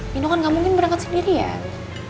nino kan nggak mungkin berangkat sendirian